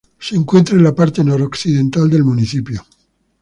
Se encuentra en la parte noroccidental del municipio.